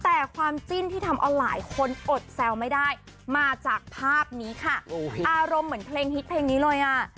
แต่ความจิ้นที่ทำเอาหลายคนอดแซวไม่ได้มาจากภาพนี้ค่ะอารมณ์เหมือนเพลงฮิตเพลงนี้เลยอ่ะ